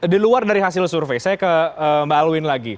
di luar dari hasil survei saya ke mbak alwin lagi